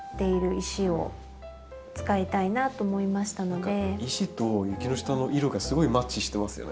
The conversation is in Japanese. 石とユキノシタの色がすごいマッチしてますよね。